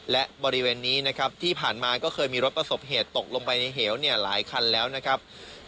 และบริเวณนี้นะครับที่ผ่านมาก็เคยมีรถประสบเหตุตกลงไปในเหวหลายคันแล้วนะครับ